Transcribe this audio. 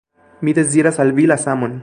Mi deziras al vi la samon!